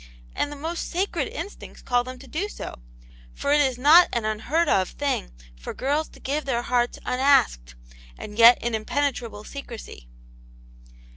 And the most sacred instincts call them to do so ; for it is not an unheard of thing for girls to give their hearts unasked, and yet in impenetrable secrecy."